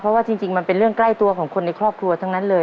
เพราะว่าจริงมันเป็นเรื่องใกล้ตัวของคนในครอบครัวทั้งนั้นเลย